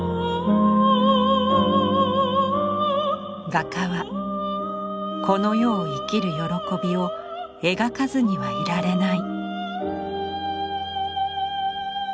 画家はこの世を生きる喜びを描かずにはいられない。